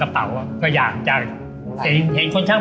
ก็เลยรับช่วงดูแลน้อง